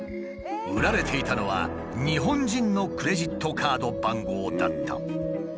売られていたのは日本人のクレジットカード番号だった。